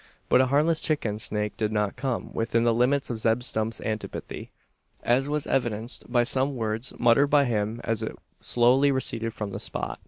But a harmless chicken snake did not come within the limits of Zeb Stump's antipathy: as was evidenced by some words muttered by him as it slowly receded from the spot.